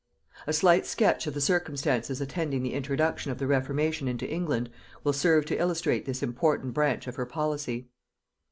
A slight sketch of the circumstances attending the introduction of the reformation into England, will serve to illustrate this important branch of her policy.